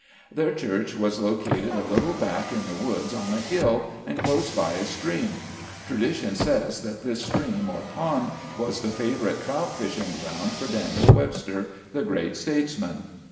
Their church was located a little back in the woods on a hill, and close by a stream. Tradition says, that this stream or pond, was the favorite trout fishing ground for Daniel Webster, the great statesman.